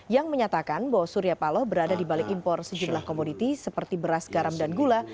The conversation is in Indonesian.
yang menyatakan bahwa surya paloh berada di balik impor sejumlah komoditi seperti beras garam dan gula